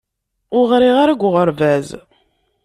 Ur ɣriɣ ara deg uɣerbaz.